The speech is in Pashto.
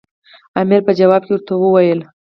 امیر په ځواب کې ورته وویل.